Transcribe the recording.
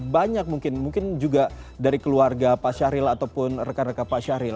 banyak mungkin mungkin juga dari keluarga pak syahril ataupun rekan rekan pak syahril